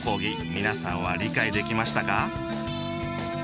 皆さんは理解できましたか？